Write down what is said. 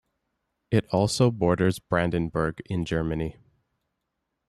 It also borders Brandenburg in Germany.